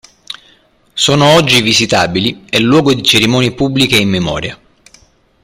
Sono oggi visitabili e luogo di cerimonie pubbliche in memoria.